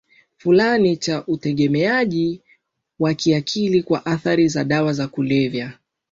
fulani cha utegemeaji wa kiakili kwa athari za dawa za kulevya